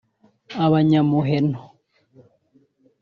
Abanyamuheno